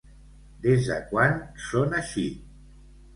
Des de quan són així?